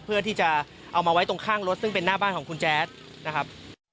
เพื่อที่จะเอามาไว้ตรงข้างรถซึ่งเป็นหน้าบ้านของคุณแจ๊ดนะครับ